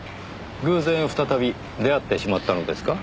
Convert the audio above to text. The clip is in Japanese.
偶然再び出会ってしまったのですか？